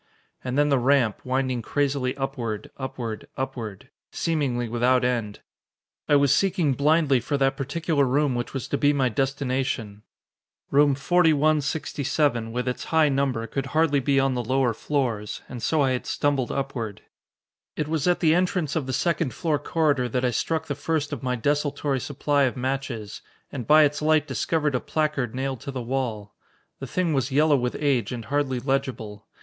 And then the ramp, winding crazily upward upward upward, seemingly without end. I was seeking blindly for that particular room which was to be my destination. Room 4167, with its high number, could hardly be on the lower floors, and so I had stumbled upward.... It was at the entrance of the second floor corridor that I struck the first of my desultory supply of matches, and by its light discovered a placard nailed to the wall. The thing was yellow with age and hardly legible.